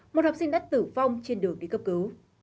một học sinh đã tử vong trên đường đi cấp cứu